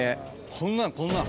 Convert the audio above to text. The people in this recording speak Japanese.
こんなの、こんなの。